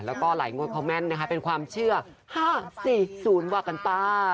แล้วก็ไหลงงวดคอมเมนต์นะคะเป็นความเชื่อห้าสี่ศูนย์ว่ากันไป